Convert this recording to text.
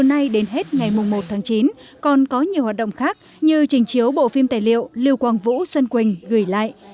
ngày một tháng chín còn có nhiều hoạt động khác như trình chiếu bộ phim tài liệu liêu quang vũ xuân quỳnh gửi lại